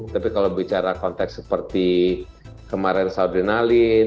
tapi kalau bicara konteks seperti kemarin saudi nalin